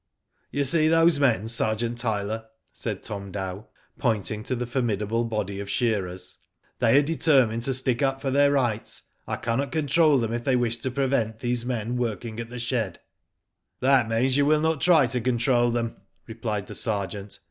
"You see those men, Sergeant Tyler," said Tom Dow, pointing to the formidable body of shearers, "they are determined to stick up for their rights. I cannot control them if they wish to prevent these men working at the shed." / '.'That means that you will not try to control them," replied the sergeant.